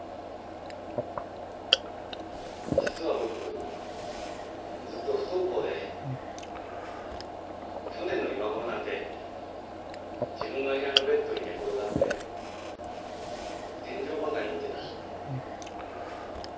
実は僕ずっと不登校で去年の今頃なんて自分の部屋のベッドに寝転がって天井ばかり見てた。